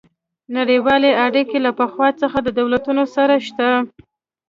نړیوالې اړیکې له پخوا څخه د دولتونو سره شته